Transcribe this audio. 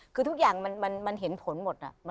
คือทุกอย่างมันเห็นผลหมด